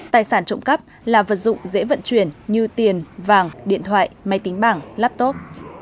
tài sản trộm cắp là vật dụng dễ vận chuyển như tiền vàng điện thoại máy tính bảng laptop